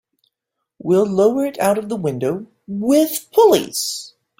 We'll lower it out of the window with pulleys.